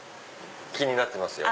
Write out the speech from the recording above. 気になってますよ。